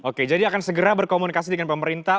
oke jadi akan segera berkomunikasi dengan pemerintah